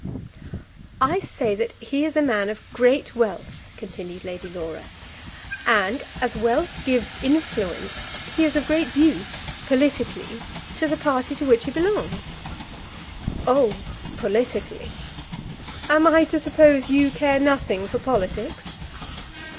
"I say that he is a man of great wealth," continued Lady Laura; "and as wealth gives influence, he is of great use, politically, to the party to which he belongs." "Oh, politically!" "Am I to suppose you care nothing for politics?